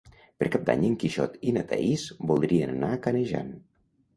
Per Cap d'Any en Quixot i na Thaís voldrien anar a Canejan.